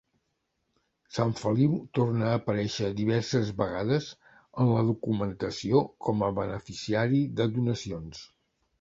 Sant Feliu torna a aparèixer diverses vegades en la documentació com a beneficiari de donacions.